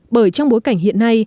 bởi trong bối cảnh hiện nay